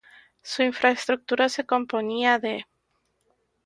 Su infraestructura se componía de